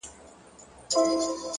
د تجربې درس اوږد اغېز لري!